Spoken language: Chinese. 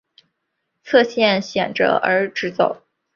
侧线显着而直走。